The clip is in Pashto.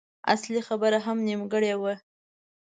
اصلي خبره هم نيمګړې وه.